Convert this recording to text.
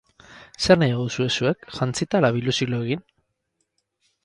Zer nahiago duzue zuek, jantzita ala biluzik lo egin?